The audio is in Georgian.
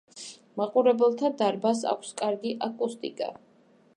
მაყურებელთა დარბაზს აქვს კარგი აკუსტიკა.